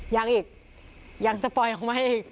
ยังอีกยังจะปล่อยออกมาให้อีก